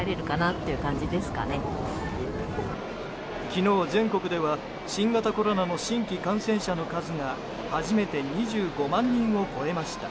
昨日、全国では新型コロナの新規感染者の数が初めて２５万人を超えました。